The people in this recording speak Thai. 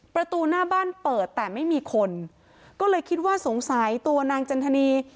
ประตูหน้าบ้านเปิดแต่ไม่มีคนก็เลยคิดว่าสงสัยตัวนางจันทนี